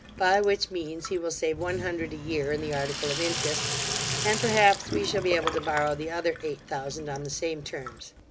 by which means he will save one hundred a year in the article of interest, and perhaps we shall be able to borrow the other eight thousand on the same terms.